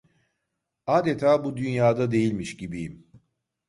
Adeta bu dünyada değilmiş gibiyim…